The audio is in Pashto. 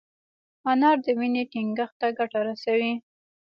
انار د وینې ټينګښت ته ګټه رسوي.